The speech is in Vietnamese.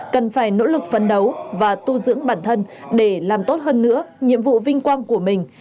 cần phải nỗ lực phấn đấu và tu dưỡng bản thân để làm tốt hơn nữa nhiệm vụ vinh quang của mình